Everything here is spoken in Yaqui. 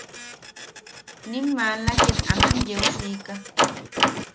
Nim maala ket aman yeu siika.